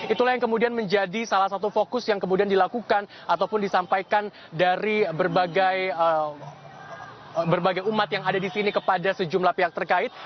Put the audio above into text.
itulah yang kemudian menjadi salah satu fokus yang kemudian dilakukan ataupun disampaikan dari berbagai umat yang ada di sini kepada sejumlah pihak terkait